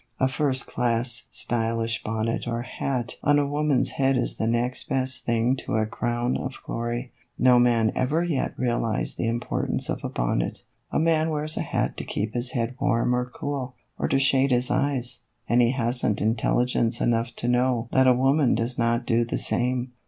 A first class stylish bonnet or hat on a woman's head is the next best thing to a crown of glory. No man ever yet realized the importance of a bonnet. A man wears a hat to keep his head warm or cool, or to shade his eyes, and he hasn't intelligence enough to know that a woman does not do the same.